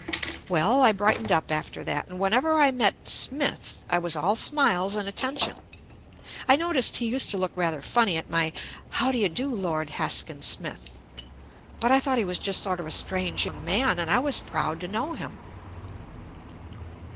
Well, I brightened up after JUST ME that, and whenever I met "Smith" I was all smiles and attention. I noticed he used to look rather funny at my "How do you do Lord Haskin Smith," but I thought he was just sort of a strange young man, and I was proud to know him.